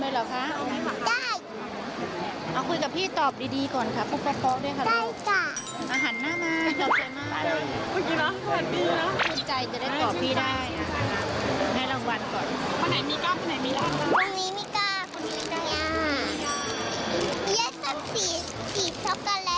เสด็จความผิดทำให้เวลาครอบครั้งแรกดันวันที่เป็นอะไรรินาะ